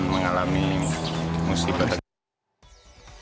mengalami musik ketegangan